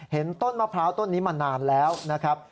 เห็นต้นมะพร้าวต้นนี้มานานแล้วนะครับ